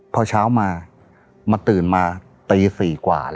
พอเช้ามามาตื่นมาตี๔กว่า